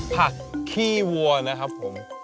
ผักขี้วัวนะครับผม